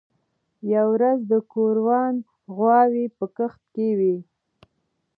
یوه ورځ د ګوروان غواوې په کښت کې وې.